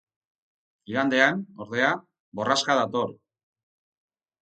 Igandean, ordea, borraska dator.